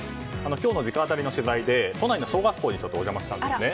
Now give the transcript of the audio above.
今日の直アタリの取材で都内の小学校にお邪魔したんですね。